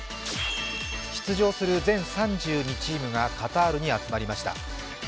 出場する全３２チームがカタールに集まりました。